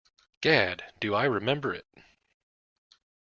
Gad, do I remember it.